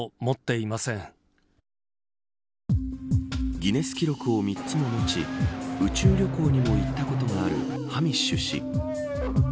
ギネス記録を３つも持ち宇宙旅行にも行ったことがあるハミッシュ氏。